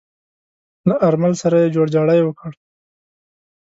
له آرمل سره يې جوړجاړی وکړ.